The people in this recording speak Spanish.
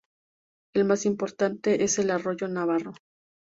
El más importante es el Arroyo Navarro.